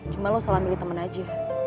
gue salah milih temen aja